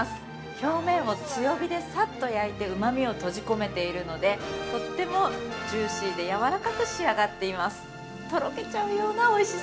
表面を強火でさっと焼いてうまみを閉じ込めているのでとってもジューシーでやわらかく仕上がっています。